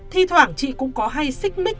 thì thoảng chị cũng có hay xích mít